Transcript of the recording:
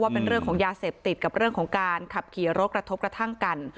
เป็นเรื่องของยาเสพติดกับเรื่องของการขับขี่รถกระทบกระทั่งกัน